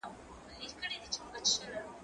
زه پرون د کتابتون لپاره کار وکړل!.